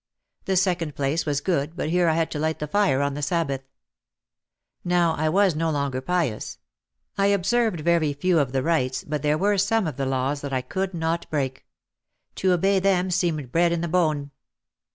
The second place was good but here I had to light the fire on the Sabbath. Now I was no longer pious. I observed very few of the rites but there were some of the laws that I could not break. To obey them seemed bred in the bone.